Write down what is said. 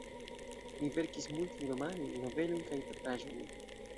Li verkis multajn romanojn, novelojn kaj teatraĵojn.